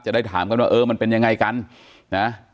ได้ถามกันว่าเออมันเป็นยังไงกันนะ